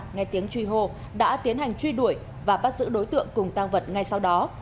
nghe tiếng truy hô đã tiến hành truy đuổi và bắt giữ đối tượng cùng tăng vật ngay sau đó